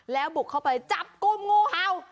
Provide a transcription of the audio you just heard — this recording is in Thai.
แล้วบุกเข้าไปจับกลุ่มงูเห่า